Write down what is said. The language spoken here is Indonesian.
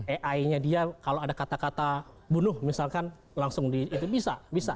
ai nya dia kalau ada kata kata bunuh misalkan langsung di itu bisa bisa